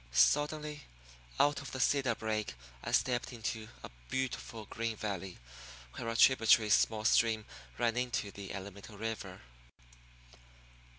Suddenly, out of the cedar brake I stepped into a beautiful green valley where a tributary small stream ran into the Alamito River.